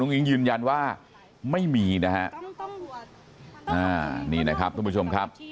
ซึ่งคุณอิงยืดยันว่าไม่มีนะอานี้นะครับทุกวันชมครับ